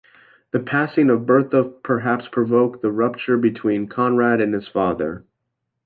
The passing of Bertha perhaps provoked the rupture between Conrad and his father.